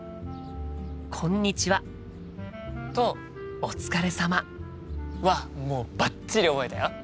「こんにちは」と「お疲れ様」はもうバッチリ覚えたよ。